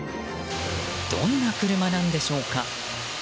どんな車なんでしょうか。